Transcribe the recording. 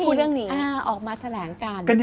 จู่เธอมาพูดเรื่องนี้